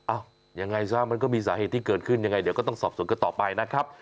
ยังไงซะมันก็มีสาเหตุที่เกิดขึ้นยังไงเดี๋ยวก็ต้องสอบสวนกันต่อไปนะครับ